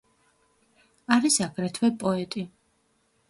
არის აგრეთვე პოეტი.